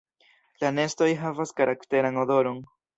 La nestoj havas karakteran odoron.